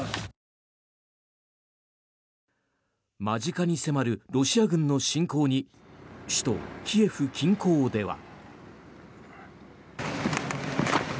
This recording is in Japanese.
間近に迫るロシア軍の侵攻に首都キエフ近郊では。